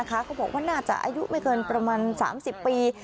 เขาบอกว่าน่าจะอายุไม่เกินประมาณ๓๐ปี